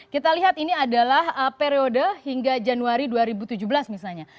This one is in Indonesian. kita lihat ini adalah periode hingga januari dua ribu tujuh belas misalnya